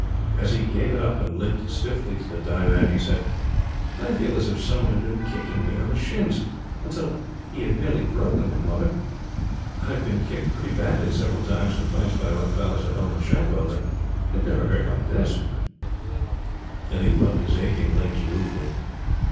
As he gave it up, and limped stiffly to the divan, he said: "I feel as if some one had been kicking me on the shins, until he had nearly broken them, Mother. I have been kicked pretty badly several times, in fights by rough fellows at home in Shadwell, but it never hurt like this;" and he rubbed his aching legs ruefully.